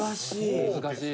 難しい。